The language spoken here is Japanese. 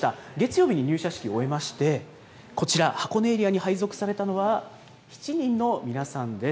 月曜日に入社式を終えまして、こちら、箱根エリアに配属されたのは７人の皆さんです。